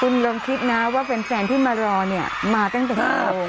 คุณลองคิดนะว่าแฟนที่มารอเนี่ยมาตั้งแต่กี่โมง